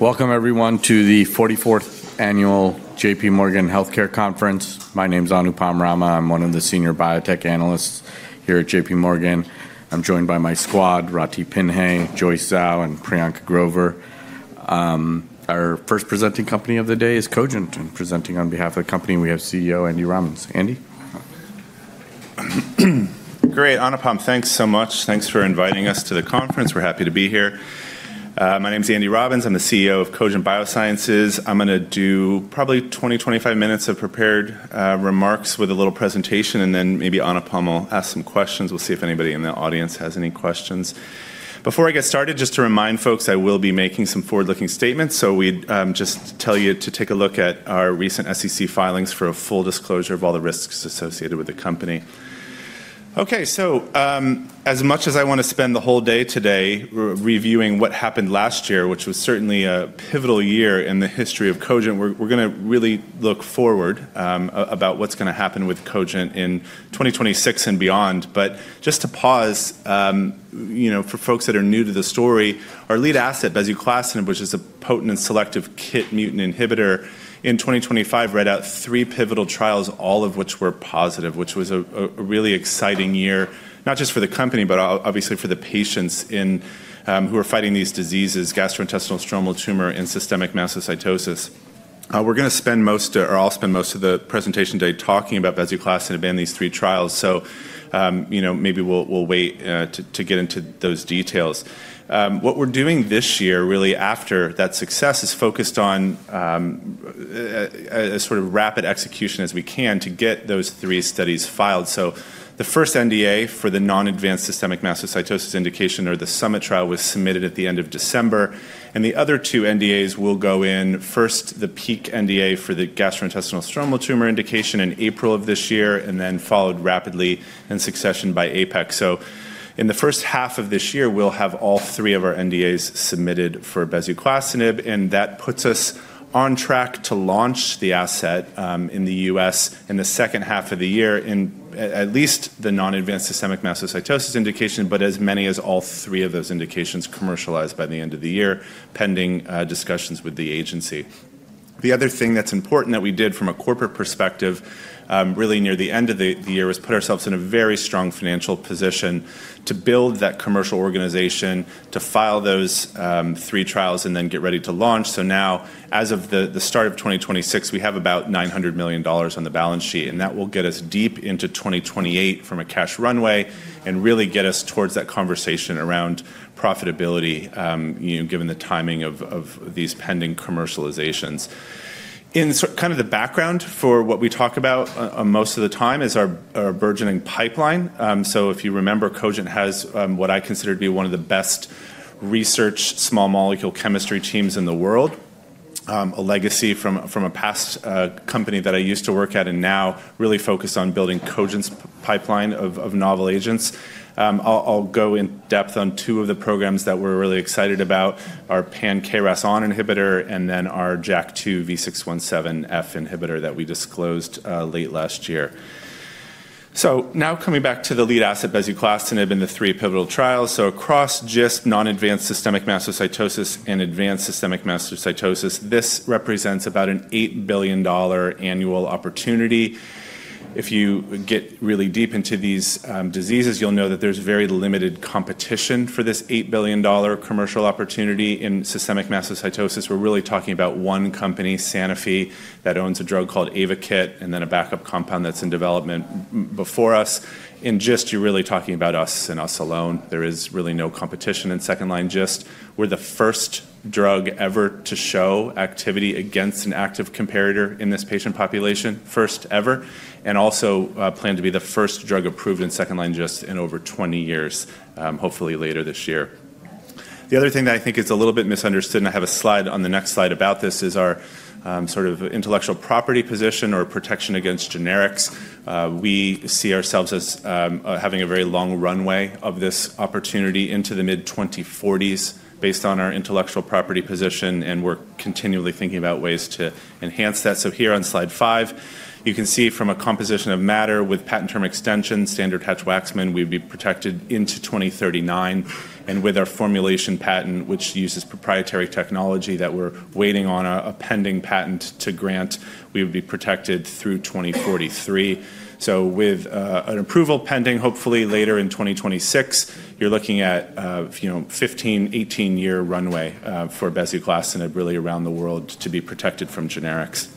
Welcome, everyone, to the 44th Annual J.P. Morgan Healthcare Conference. My name is Anupam Rama. I'm one of the Senior Biotech Analysts here at J.P. Morgan. I'm joined by my squad, Rathi Phinai, Joyce Zhao, and Priyanka Grover. Our first presenting company of the day is Cogent, and presenting on behalf of the company, we have CEO Andy Robbins. Andy? Great. Anupam, thanks so much. Thanks for inviting us to the conference. We're happy to be here. My name is Andy Robbins. I'm the CEO of Cogent Biosciences. I'm going to do probably 20, 25 minutes of prepared remarks with a little presentation, and then maybe Anupam will ask some questions. We'll see if anybody in the audience has any questions. Before I get started, just to remind folks, I will be making some forward-looking statements. So we just tell you to take a look at our recent SEC filings for a full disclosure of all the risks associated with the company. Okay, so as much as I want to spend the whole day today reviewing what happened last year, which was certainly a pivotal year in the history of Cogent, we're going to really look forward about what's going to happen with Cogent in 2026 and beyond. But just to pause, for folks that are new to the story, our lead asset, Bezuclastinib, which is a potent and selective KIT mutant inhibitor, in 2025 read out three pivotal trials, all of which were positive, which was a really exciting year, not just for the company, but obviously for the patients who are fighting these diseases: gastrointestinal stromal tumor and systemic mastocytosis. We're going to spend most, or I'll spend most of the presentation today talking about Bezuclastinib and these three trials. So maybe we'll wait to get into those details. What we're doing this year, really after that success, is focused on as rapid execution as we can to get those three studies filed. So the first NDA for the non-advanced systemic mastocytosis indication, or the SUMMIT trial, was submitted at the end of December. And the other two NDAs will go in first, the PEAK NDA for the gastrointestinal stromal tumor indication in April of this year, and then followed rapidly in succession by APEX. So in the first half of this year, we'll have all three of our NDAs submitted for Bezuclastinib, and that puts us on track to launch the asset in the U.S. in the second half of the year in at least the Non-advanced Systemic Mastocytosis indication, but as many as all three of those indications commercialized by the end of the year, pending discussions with the agency. The other thing that's important that we did from a corporate perspective, really near the end of the year, was put ourselves in a very strong financial position to build that commercial organization, to file those three trials, and then get ready to launch. As of the start of 2026, we have about $900 million on the balance sheet, and that will get us deep into 2028 from a cash runway and really get us towards that conversation around profitability, given the timing of these pending commercializations. In kind of the background for what we talk about most of the time is our burgeoning pipeline. So if you remember, Cogent has what I consider to be one of the best research small molecule chemistry teams in the world, a legacy from a past company that I used to work at and now really focused on building Cogent's pipeline of novel agents. I'll go in depth on two of the programs that we're really excited about: our pan-KRAS inhibitor and then our JAK2 V617F inhibitor that we disclosed late last year. So now coming back to the lead asset, Bezuclastinib and the three pivotal trials. So across just Non-advanced Systemic Mastocytosis and Advanced Systemic Mastocytosis, this represents about an $8 billion annual opportunity. If you get really deep into these diseases, you'll know that there's very limited competition for this $8 billion commercial opportunity. In Systemic Mastocytosis, we're really talking about one company, Sanofi, that owns a drug called Ayvakit and then a backup compound that's in development before us. In GIST, you're really talking about us and us alone. There is really no competition in second-line GIST. We're the first drug ever to show activity against an active comparator in this patient population, first ever, and also plan to be the first drug approved in second-line GIST in over 20 years, hopefully later this year. The other thing that I think is a little bit misunderstood, and I have a slide on the next slide about this, is our sort of intellectual property position or protection against generics. We see ourselves as having a very long runway of this opportunity into the mid-2040s based on our intellectual property position, and we're continually thinking about ways to enhance that. So here on slide five, you can see from a composition of matter with patent term extension, standard Hatch-Waxman, we'd be protected into 2039. And with our formulation patent, which uses proprietary technology that we're waiting on a pending patent to grant, we would be protected through 2043. So with an approval pending, hopefully later in 2026, you're looking at a 15-18-year runway for Bezuclastinib really around the world to be protected from generics.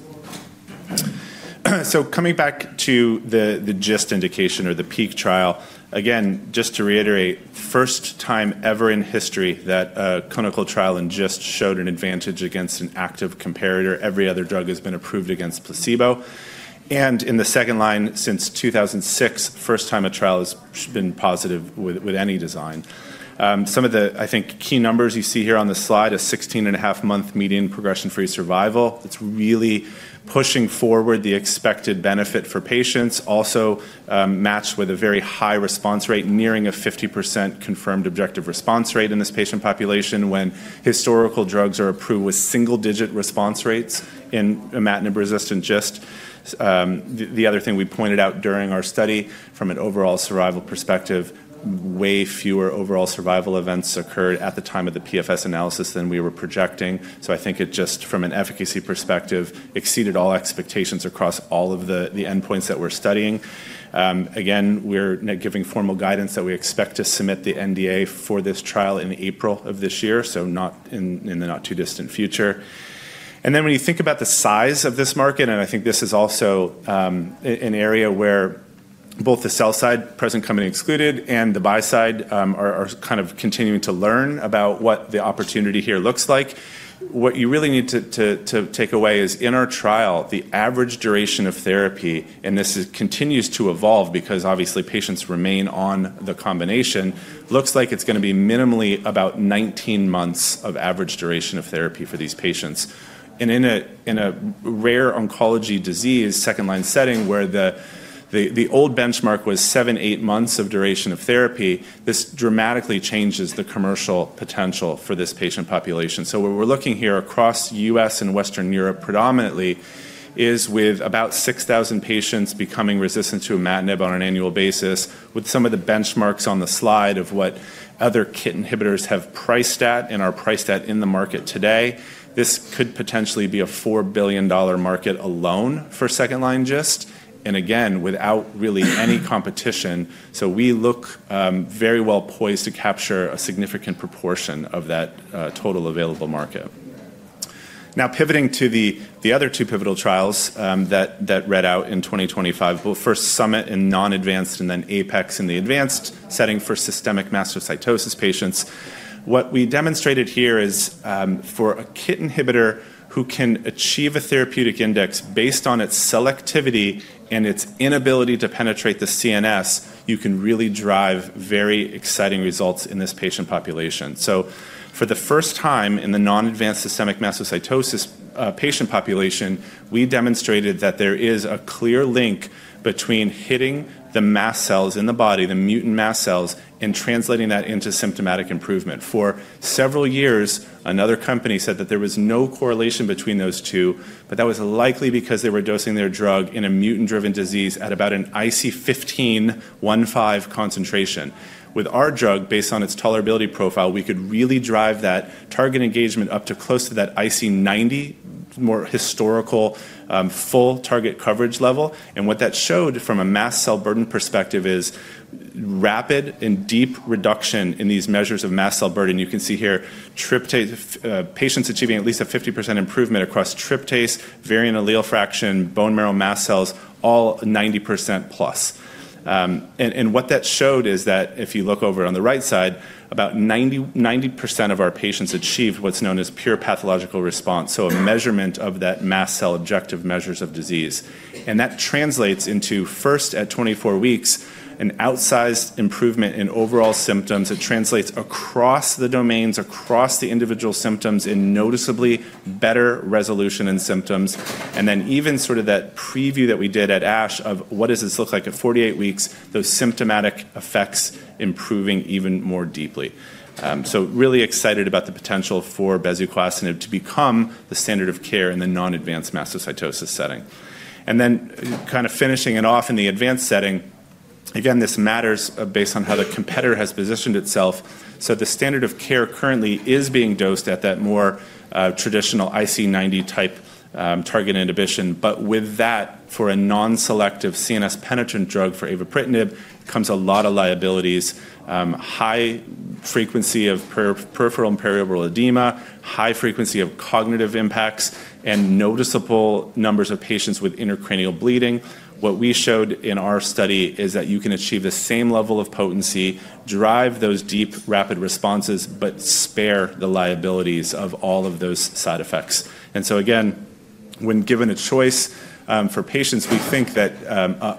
Coming back to the GIST indication or the PEAK trial, again, just to reiterate, first time ever in history that a clinical trial in GIST showed an advantage against an active comparator. Every other drug has been approved against placebo. And in the second line, since 2006, first time a trial has been positive with any design. Some of the, I think, key numbers you see here on the slide are 16.5-month median progression-free survival. It's really pushing forward the expected benefit for patients, also matched with a very high response rate, nearing 50% confirmed objective response rate in this patient population when historical drugs are approved with single-digit response rates in imatinib-resistant GIST. The other thing we pointed out during our study, from an overall survival perspective, way fewer overall survival events occurred at the time of the PFS analysis than we were projecting. So I think it just, from an efficacy perspective, exceeded all expectations across all of the endpoints that we're studying. Again, we're giving formal guidance that we expect to submit the NDA for this trial in April of this year, so not in the not-too-distant future, and then when you think about the size of this market, and I think this is also an area where both the sell side, present company excluded, and the buy side are kind of continuing to learn about what the opportunity here looks like. What you really need to take away is in our trial, the average duration of therapy, and this continues to evolve because obviously patients remain on the combination. It looks like it's going to be minimally about 19 months of average duration of therapy for these patients. In a rare oncology disease, second-line setting, where the old benchmark was seven, eight months of duration of therapy, this dramatically changes the commercial potential for this patient population. We're looking here across U.S. and Western Europe predominantly with about 6,000 patients becoming resistant to imatinib on an annual basis, with some of the benchmarks on the slide of what other KIT inhibitors have priced at and are priced at in the market today. This could potentially be a $4 billion market alone for second-line GIST. Again, without really any competition. So we look very well poised to capture a significant proportion of that total available market. Now, pivoting to the other two pivotal trials that read out in 2025, well, first SUMMIT in non-advanced and then APEX in the advanced setting for Systemic Mastocytosis patients. What we demonstrated here is for a KIT inhibitor who can achieve a therapeutic index based on its selectivity and its inability to penetrate the CNS, you can really drive very exciting results in this patient population. So for the first time in the Non-advanced Systemic Mastocytosis patient population, we demonstrated that there is a clear link between hitting the mast cells in the body, the mutant mast cells, and translating that into symptomatic improvement. For several years, another company said that there was no correlation between those two, but that was likely because they were dosing their drug in a mutant-driven disease at about an IC50 concentration. With our drug, based on its tolerability profile, we could really drive that target engagement up to close to that IC90, more historical full target coverage level. And what that showed from a mast cell burden perspective is rapid and deep reduction in these measures of mast cell burden. You can see here patients achieving at least a 50% improvement across tryptase, variant allele fraction, bone marrow mast cells, all 90% plus. And what that showed is that if you look over on the right side, about 90% of our patients achieved what's known as pure pathologic response, so a measurement of that mast cell objective measures of disease. And that translates into first at 24 weeks, an outsized improvement in overall symptoms that translates across the domains, across the individual symptoms in noticeably better resolution and symptoms. And then even sort of that preview that we did at ASH of what does this look like at 48 weeks, those symptomatic effects improving even more deeply. So really excited about the potential for Bezuclastinib to become the standard of care in the Non-advanced Mastocytosis setting. And then kind of finishing it off in the advanced setting, again, this matters based on how the competitor has positioned itself. So the standard of care currently is being dosed at that more traditional IC90 type target inhibition. But with that, for a non-selective CNS penetrant drug for avapritinib, comes a lot of liabilities, high frequency of peripheral and periorbital edema, high frequency of cognitive impacts, and noticeable numbers of patients with intracranial bleeding. What we showed in our study is that you can achieve the same level of potency, drive those deep rapid responses, but spare the liabilities of all of those side effects. And so again, when given a choice for patients, we think that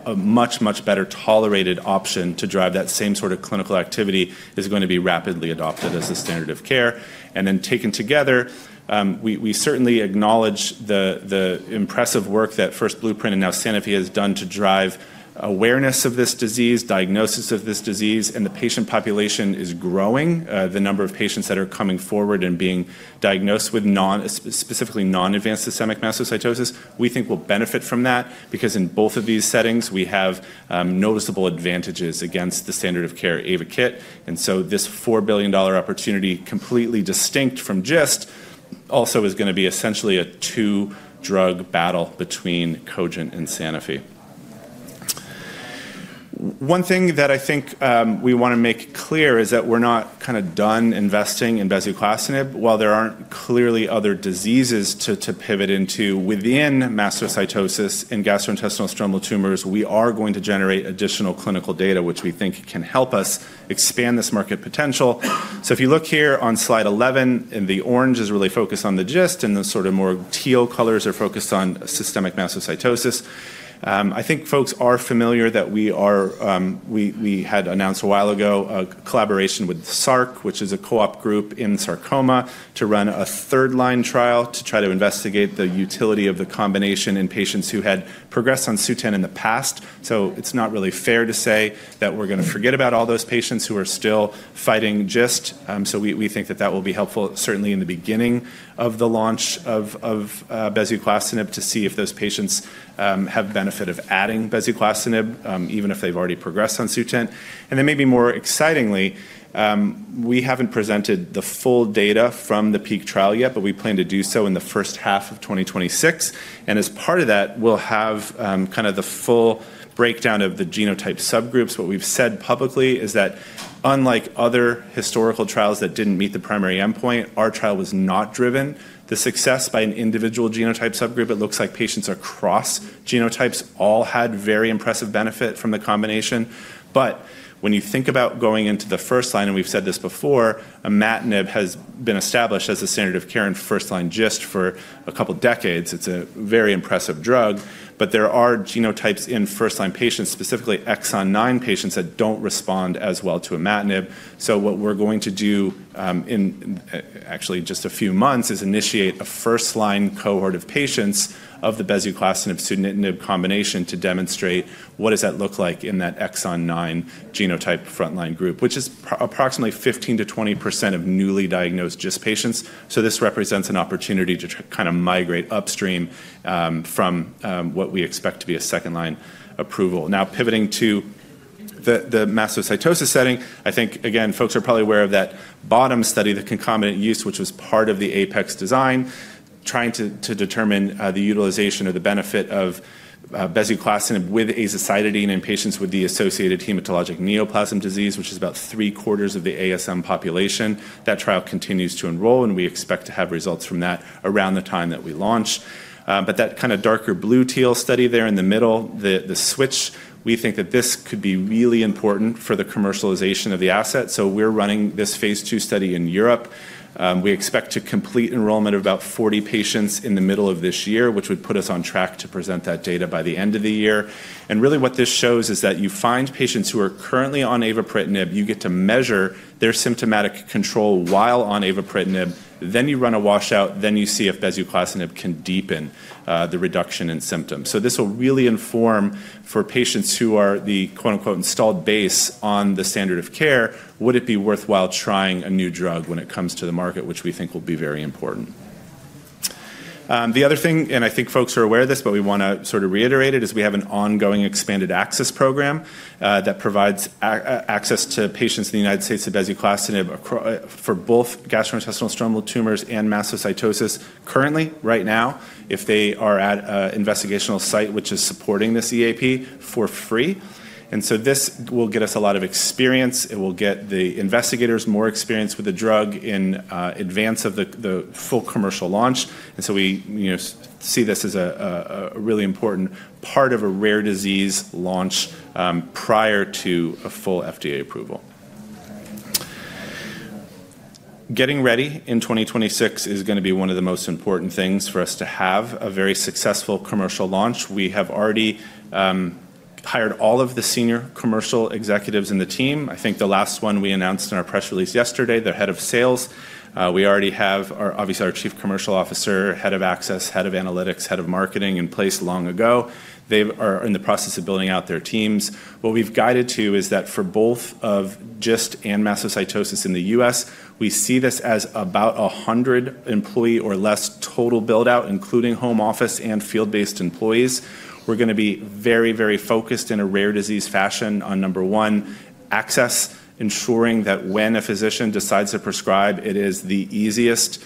a much, much better tolerated option to drive that same sort of clinical activity is going to be rapidly adopted as a standard of care. And then taken together, we certainly acknowledge the impressive work that Blueprint and now Sanofi has done to drive awareness of this disease, diagnosis of this disease, and the patient population is growing. The number of patients that are coming forward and being diagnosed with specifically non-advanced systemic mastocytosis, we think will benefit from that because in both of these settings, we have noticeable advantages against the standard of care Ayvakit, and so this $4 billion opportunity, completely distinct from GIST, also is going to be essentially a two-drug battle between Cogent and Sanofi. One thing that I think we want to make clear is that we're not kind of done investing in Bezuclastinib. While there aren't clearly other diseases to pivot into within mastocytosis and gastrointestinal stromal tumors, we are going to generate additional clinical data, which we think can help us expand this market potential, so if you look here on slide 11, the orange is really focused on the GIST, and the sort of more teal colors are focused on systemic mastocytosis. I think folks are familiar that we had announced a while ago a collaboration with SARC, which is a co-op group in sarcoma, to run a third-line trial to try to investigate the utility of the combination in patients who had progressed on Sutent in the past. So it's not really fair to say that we're going to forget about all those patients who are still fighting GIST. We think that that will be helpful, certainly in the beginning of the launch of Bezuclastinib, to see if those patients have benefit of adding Bezuclastinib, even if they've already progressed on Sutent. Then maybe more excitingly, we haven't presented the full data from the PEAK trial yet, but we plan to do so in the first half of 2026. As part of that, we'll have kind of the full breakdown of the genotype subgroups. What we've said publicly is that unlike other historical trials that didn't meet the primary endpoint, our trial was not driven to success by an individual genotype subgroup. It looks like patients across genotypes all had very impressive benefit from the combination. But when you think about going into the first line, and we've said this before, imatinib has been established as a standard of care in first-line GIST for a couple of decades. It's a very impressive drug. But there are genotypes in first-line patients, specifically exon 9 patients that don't respond as well to imatinib. So what we're going to do in actually just a few months is initiate a first-line cohort of patients of the Bezuclastinib-sunitinib combination to demonstrate what does that look like in that exon 9 genotype front-line group, which is approximately 15%-20% of newly diagnosed GIST patients. So this represents an opportunity to kind of migrate upstream from what we expect to be a second-line approval. Now, pivoting to the mastocytosis setting, I think, again, folks are probably aware of that bottom study, the concomitant use, which was part of the APEX design, trying to determine the utilization or the benefit of Bezuclastinib with azacitidine in patients with the associated hematologic neoplasm disease, which is about three quarters of the ASM population. That trial continues to enroll, and we expect to have results from that around the time that we launch. But that kind of darker blue teal study there in the middle, the Switch, we think that this could be really important for the commercialization of the asset. So we're running this phase 2 study in Europe. We expect to complete enrollment of about 40 patients in the middle of this year, which would put us on track to present that data by the end of the year. And really what this shows is that you find patients who are currently on avapritinib, you get to measure their symptomatic control while on avapritinib, then you run a washout, then you see if Bezuclastinib can deepen the reduction in symptoms. So this will really inform for patients who are the "installed base" on the standard of care, would it be worthwhile trying a new drug when it comes to the market, which we think will be very important. The other thing, and I think folks are aware of this, but we want to sort of reiterate it, is we have an ongoing expanded access program that provides access to patients in the United States to Bezuclastinib for both gastrointestinal stromal tumors and mastocytosis currently, right now, if they are at an investigational site which is supporting this EAP for free, and so this will get us a lot of experience. It will get the investigators more experience with the drug in advance of the full commercial launch, and so we see this as a really important part of a rare disease launch prior to a full FDA approval. Getting ready in 2026 is going to be one of the most important things for us to have a very successful commercial launch. We have already hired all of the senior commercial executives in the team. I think the last one we announced in our press release yesterday, their head of sales. We already have, obviously, our Chief Commercial Officer, head of access, head of analytics, head of marketing in place long ago. They are in the process of building out their teams. What we've guided to is that for both of GIST and mastocytosis in the U.S., we see this as about 100 employee or less total buildout, including home office and field-based employees. We're going to be very, very focused in a rare disease fashion on number one, access, ensuring that when a physician decides to prescribe, it is the easiest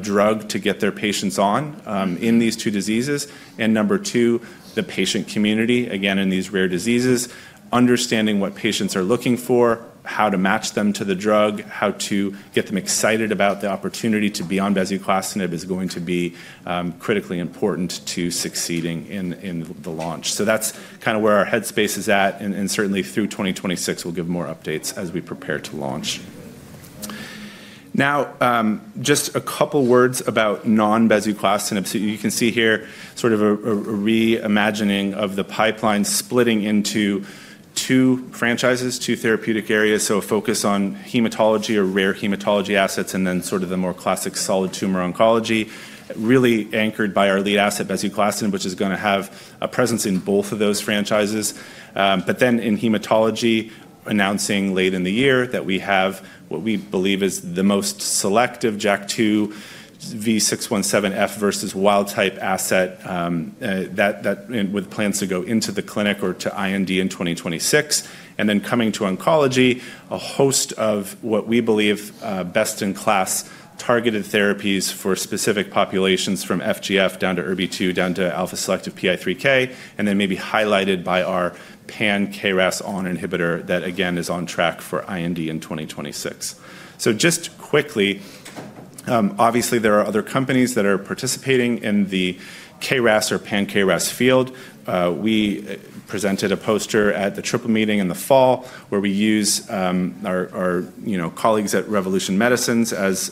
drug to get their patients on in these two diseases. Number two, the patient community, again, in these rare diseases, understanding what patients are looking for, how to match them to the drug, how to get them excited about the opportunity to be on Bezuclastinib is going to be critically important to succeeding in the launch. That's kind of where our headspace is at. Certainly through 2026, we'll give more updates as we prepare to launch. Now, just a couple of words about non-Bezuclastinib. You can see here sort of a reimagining of the pipeline splitting into two franchises, two therapeutic areas. A focus on hematology or rare hematology assets and then sort of the more classic solid tumor oncology, really anchored by our lead asset, Bezuclastinib, which is going to have a presence in both of those franchises. But then in hematology, announcing late in the year that we have what we believe is the most selective JAK2 V617F versus wild type asset with plans to go into the clinic or to IND in 2026. And then coming to oncology, a host of what we believe best-in-class targeted therapies for specific populations from FGF down to ErbB2 down to alpha-selective PI3K, and then maybe highlighted by our pan-KRAS inhibitor that, again, is on track for IND in 2026. So just quickly, obviously, there are other companies that are participating in the KRAS or pan-KRAS field. We presented a poster at the triple meeting in the fall where we use our colleagues at Revolution Medicines as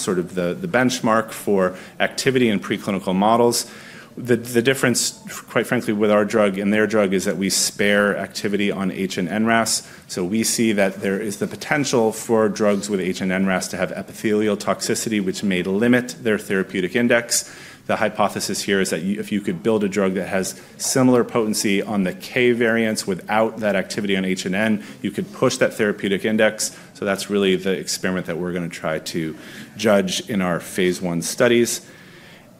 sort of the benchmark for activity in preclinical models. The difference, quite frankly, with our drug and their drug is that we spare activity on HRAS and NRAS. We see that there is the potential for drugs with HRAS and NRAS to have epithelial toxicity, which may limit their therapeutic index. The hypothesis here is that if you could build a drug that has similar potency on the KRAS variants without that activity on HRAS and NRAS, you could push that therapeutic index. That's really the experiment that we're going to try to judge in our phase one studies.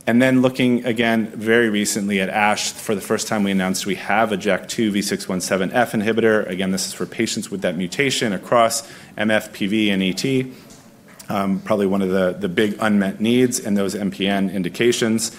And then looking again very recently at ASH, for the first time we announced we have a JAK2 V617F inhibitor. Again, this is for patients with that mutation across MF, PV, and ET, probably one of the big unmet needs in those MPN indications.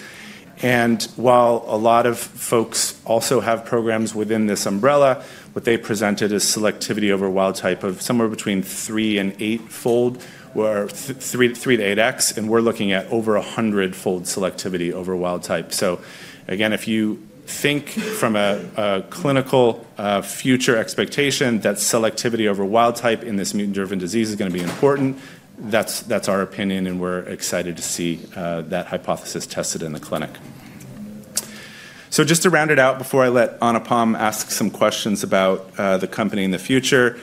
And while a lot of folks also have programs within this umbrella, what they presented is selectivity over wild type of somewhere between three and eight fold, where three to eight X, and we're looking at over 100 fold selectivity over wild type. So again, if you think from a clinical future expectation that selectivity over wild type in this mutant-driven disease is going to be important, that's our opinion, and we're excited to see that hypothesis tested in the clinic. So just to round it out before I let Anupam ask some questions about the company in the future,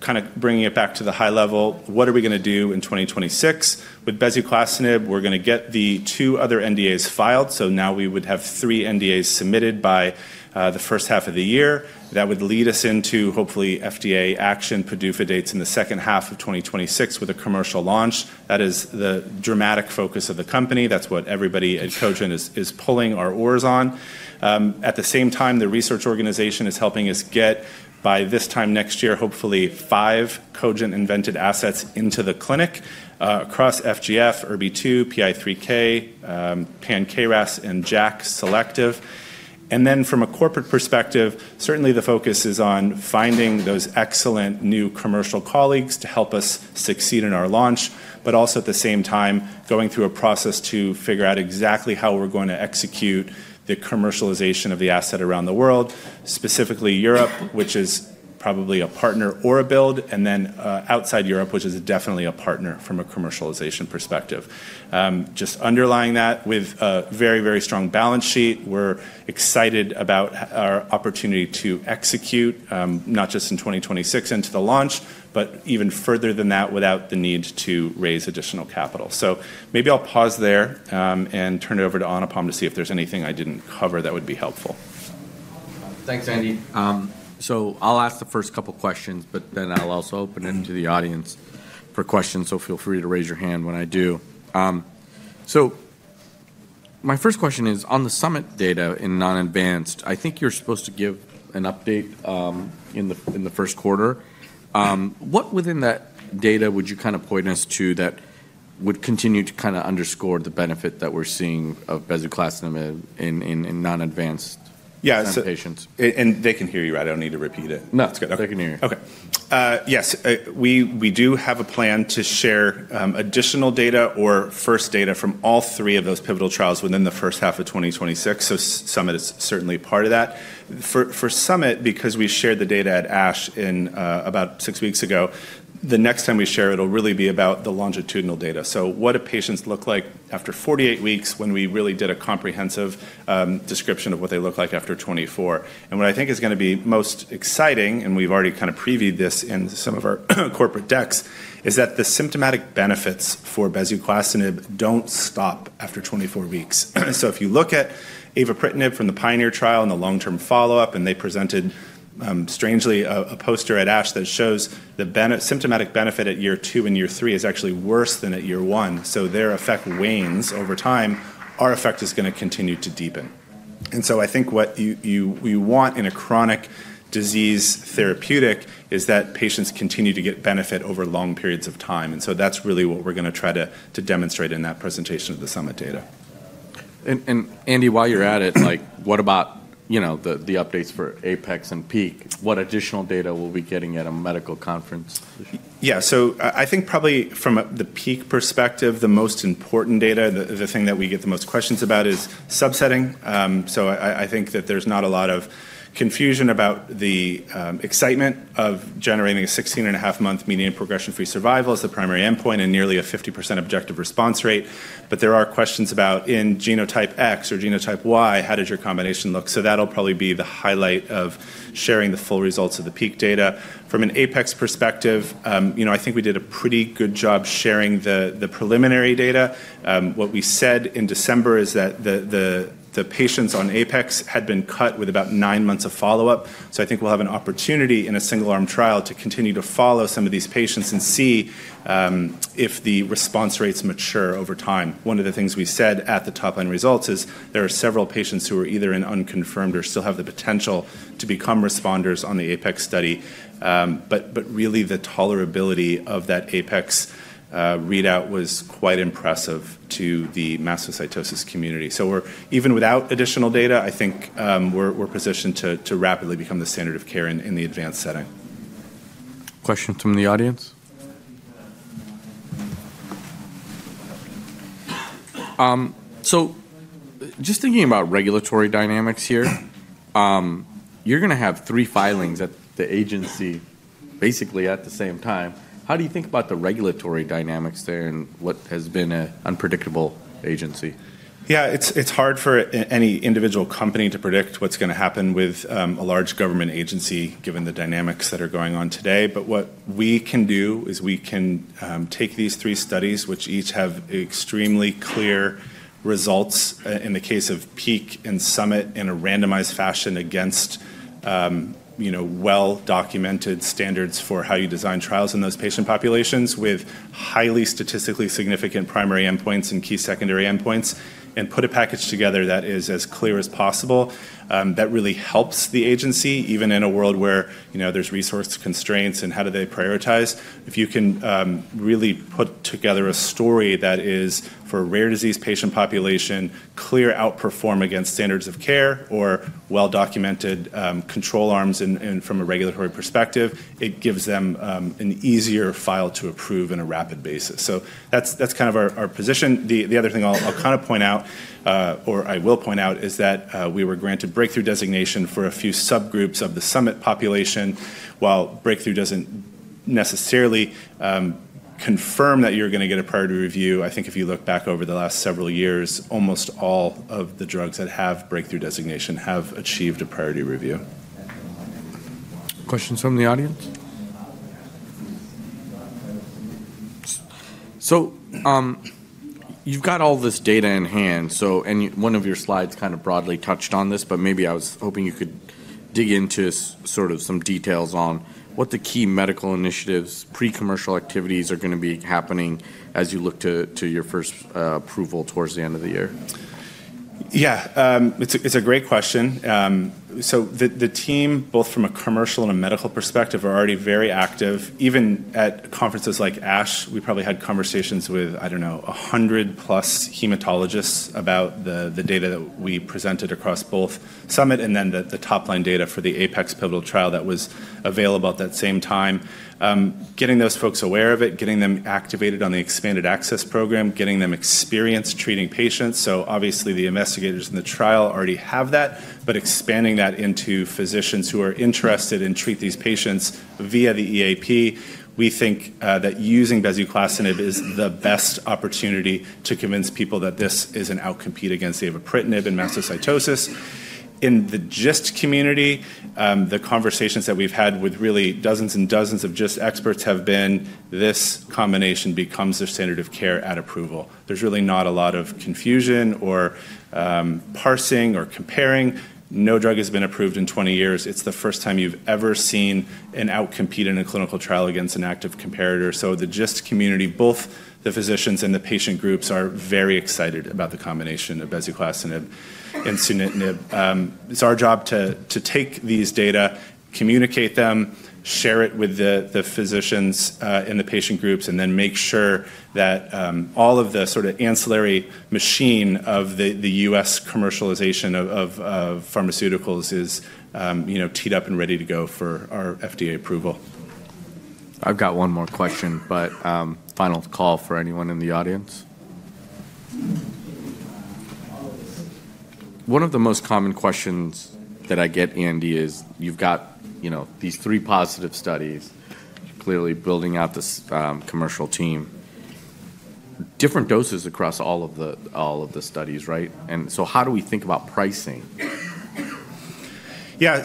kind of bringing it back to the high level, what are we going to do in 2026? With Bezuclastinib, we're going to get the two other NDAs filed. So now we would have three NDAs submitted by the first half of the year. That would lead us into hopefully FDA action, PDUFA dates in the second half of 2026 with a commercial launch. That is the dramatic focus of the company. That's what everybody at Cogent is pulling our oars on. At the same time, the research organization is helping us get by this time next year, hopefully five Cogent-invented assets into the clinic across FGF, ErbB2, PI3K, pan-KRAS, and JAK selective. And then from a corporate perspective, certainly the focus is on finding those excellent new commercial colleagues to help us succeed in our launch, but also at the same time going through a process to figure out exactly how we're going to execute the commercialization of the asset around the world, specifically Europe, which is probably a partner or a build, and then outside Europe, which is definitely a partner from a commercialization perspective. Just underlining that with a very, very strong balance sheet, we're excited about our opportunity to execute not just in 2026 into the launch, but even further than that without the need to raise additional capital. So maybe I'll pause there and turn it over to Anupam Rama to see if there's anything I didn't cover that would be helpful. Thanks, Andy. I'll ask the first couple of questions, but then I'll also open it to the audience for questions. Feel free to raise your hand when I do. My first question is on the SUMMIT data in non-advanced. I think you're supposed to give an update in the first quarter. What within that data would you kind of point us to that would continue to kind of underscore the benefit that we're seeing of Bezuclastinib in non-advanced patients? Yeah. And they can hear you, right? I don't need to repeat it. No. That's good. They can hear you. Okay. Yes. We do have a plan to share additional data or first data from all three of those pivotal trials within the first half of 2026. So Summit is certainly part of that. For Summit, because we shared the data at ASH about six weeks ago, the next time we share, it'll really be about the longitudinal data. So what do patients look like after 48 weeks when we really did a comprehensive description of what they look like after 24? And what I think is going to be most exciting, and we've already kind of previewed this in some of our corporate decks, is that the symptomatic benefits for Bezuclastinib don't stop after 24 weeks. So if you look at avapritinib from the Pioneer trial and the long-term follow-up, and they presented, strangely, a poster at ASH that shows the symptomatic benefit at year two and year three is actually worse than at year one. So their effect wanes over time. Our effect is going to continue to deepen. And so I think what we want in a chronic disease therapeutic is that patients continue to get benefit over long periods of time. And so that's really what we're going to try to demonstrate in that presentation of the SUMMIT data. And Andy, while you're at it, what about the updates for APEX and PEAK? What additional data will we be getting at a medical conference? Yeah. So I think probably from the PEAK perspective, the most important data, the thing that we get the most questions about is subsetting. I think that there's not a lot of confusion about the excitement of generating a 16-and-a-half-month median progression-free survival as the primary endpoint and nearly a 50% objective response rate. But there are questions about in genotype X or genotype Y, how does your combination look? That'll probably be the highlight of sharing the full results of the PEAK data. From an APEX perspective, I think we did a pretty good job sharing the preliminary data. What we said in December is that the patients on APEX had about nine months of follow-up. I think we'll have an opportunity in a single-arm trial to continue to follow some of these patients and see if the response rates mature over time. One of the things we said at the top-line results is there are several patients who are either in unconfirmed or still have the potential to become responders on the APEX study, but really, the tolerability of that APEX readout was quite impressive to the mastocytosis community, so even without additional data, I think we're positioned to rapidly become the standard of care in the advanced setting. Question from the audience? So, just thinking about regulatory dynamics here, you're going to have three filings at the agency basically at the same time. How do you think about the regulatory dynamics there and what has been an unpredictable agency? Yeah. It's hard for any individual company to predict what's going to happen with a large government agency given the dynamics that are going on today. But what we can do is we can take these three studies, which each have extremely clear results in the case of PEAK and SUMMIT in a randomized fashion against well-documented standards for how you design trials in those patient populations with highly statistically significant primary endpoints and key secondary endpoints and put a package together that is as clear as possible. That really helps the agency, even in a world where there's resource constraints and how do they prioritize. If you can really put together a story that is for a rare disease patient population, clear outperform against standards of care or well-documented control arms from a regulatory perspective, it gives them an easier file to approve in a rapid basis. So that's kind of our position. The other thing I'll kind of point out, or I will point out, is that we were granted breakthrough designation for a few subgroups of the SUMMIT population. While breakthrough doesn't necessarily confirm that you're going to get a priority review, I think if you look back over the last several years, almost all of the drugs that have breakthrough designation have achieved a priority review. Questions from the audience? So you've got all this data in hand. And one of your slides kind of broadly touched on this, but maybe I was hoping you could dig into sort of some details on what the key medical initiatives, pre-commercial activities are going to be happening as you look to your first approval towards the end of the year. Yeah. It's a great question. So the team, both from a commercial and a medical perspective, are already very active. Even at conferences like ASH, we probably had conversations with, I don't know, 100-plus hematologists about the data that we presented across both SUMMIT and then the top-line data for the APEX pivotal trial that was available at that same time. Getting those folks aware of it, getting them activated on the expanded access program, getting them experience treating patients, so obviously, the investigators in the trial already have that, but expanding that into physicians who are interested in treating these patients via the EAP, we think that using Bezuclastinib is the best opportunity to convince people that this is an outcompete against avapritinib in mastocytosis. In the GIST community, the conversations that we've had with really dozens and dozens of GIST experts have been this combination becomes their standard of care at approval. There's really not a lot of confusion or parsing or comparing. No drug has been approved in 20 years. It's the first time you've ever seen an outcompete in a clinical trial against an active comparator. So the GIST community, both the physicians and the patient groups, are very excited about the combination of Bezuclastinib and sunitinib. It's our job to take these data, communicate them, share it with the physicians in the patient groups, and then make sure that all of the sort of ancillary machine of the U.S. commercialization of pharmaceuticals is teed up and ready to go for our FDA approval. I've got one more question, but final call for anyone in the audience. One of the most common questions that I get, Andy, is you've got these three positive studies, clearly building out the commercial team, different doses across all of the studies, right? And so how do we think about pricing? Yeah.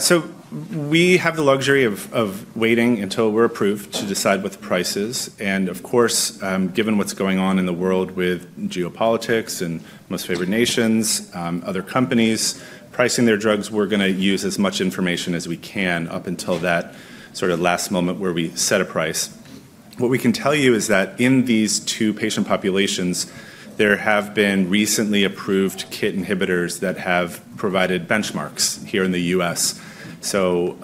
We have the luxury of waiting until we're approved to decide what the price is. And of course, given what's going on in the world with geopolitics and most favored nations, other companies pricing their drugs, we're going to use as much information as we can up until that sort of last moment where we set a price. What we can tell you is that in these two patient populations, there have been recently approved KIT inhibitors that have provided benchmarks here in the U.S. So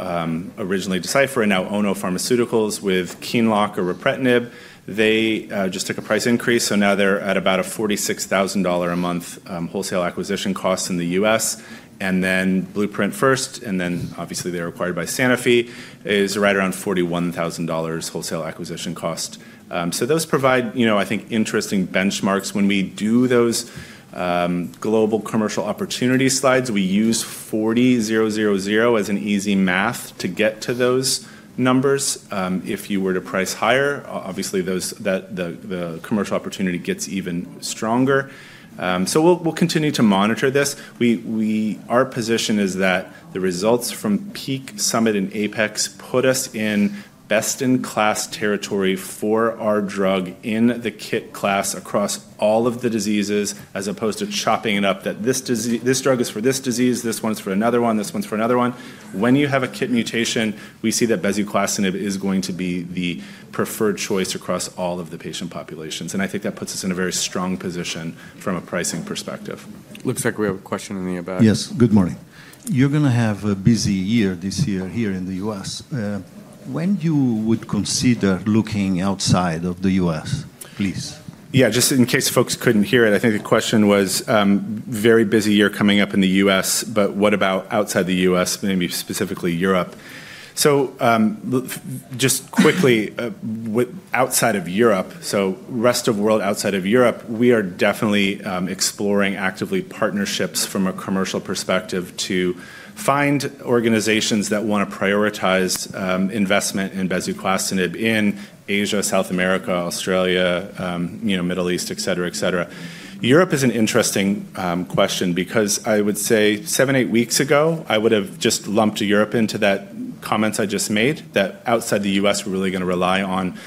originally Deciphera and now Ono Pharmaceutical with Qinlock or ripretinib, they just took a price increase. So now they're at about a $46,000-a-month wholesale acquisition cost in the U.S. And then Blueprint first, and then obviously they're acquired by Sanofi, is right around $41,000 wholesale acquisition cost. So those provide, I think, interesting benchmarks. When we do those global commercial opportunity slides, we use 40-0-0-0 as an easy math to get to those numbers. If you were to price higher, obviously the commercial opportunity gets even stronger. So we'll continue to monitor this. Our position is that the results from PEAK, SUMMIT, and APEX put us in best-in-class territory for our drug in the KIT class across all of the diseases as opposed to chopping it up that this drug is for this disease, this one's for another one, this one's for another one. When you have a KIT mutation, we see that Bezuclastinib is going to be the preferred choice across all of the patient populations. And I think that puts us in a very strong position from a pricing perspective. Looks like we have a question in the back. Yes. Good morning. You're going to have a busy year this year here in the U.S. When do you would consider looking outside of the U.S., please? Yeah. Just in case folks couldn't hear it, I think the question was very busy year coming up in the U.S., but what about outside the U.S., maybe specifically Europe? So just quickly, outside of Europe, so rest of world outside of Europe, we are definitely exploring actively partnerships from a commercial perspective to find organizations that want to prioritize investment in Bezuclastinib in Asia, South America, Australia, Middle East, et cetera, et cetera. Europe is an interesting question because I would say seven, eight weeks ago, I would have just lumped Europe into that comments I just made that outside the U.S., we're really going to rely on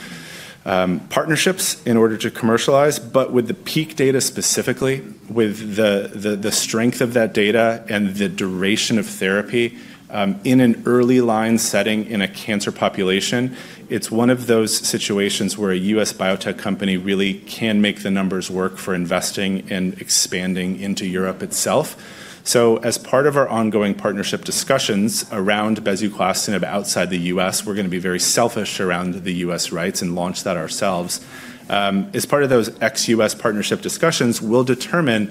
partnerships in order to commercialize. But with the PEAK data specifically, with the strength of that data and the duration of therapy in an early line setting in a cancer population, it's one of those situations where a U.S. biotech company really can make the numbers work for investing and expanding into Europe itself. So as part of our ongoing partnership discussions around Bezuclastinib outside the U.S., we're going to be very selfish around the U.S. rights and launch that ourselves. As part of those ex-U.S. partnership discussions, we'll determine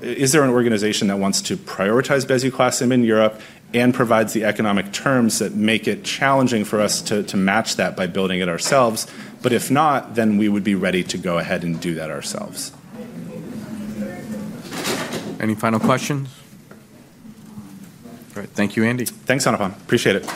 is there an organization that wants to prioritize Bezuclastinib in Europe and provides the economic terms that make it challenging for us to match that by building it ourselves. But if not, then we would be ready to go ahead and do that ourselves. Any final questions? All right. Thank you, Andy. Thanks, Anupam. Appreciate it.